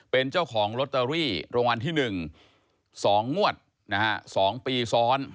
เป็นเจ้าของลอตเตอรี่รางวัลที่๑๒งวดนะฮะ๒ปีซ้อน